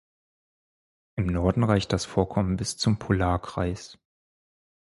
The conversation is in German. Im Norden reicht das Vorkommen bis zum Polarkreis.